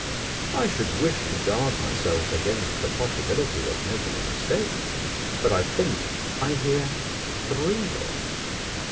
I should wish to guard myself against the possibility of making a mistake, but I think I hear three dogs.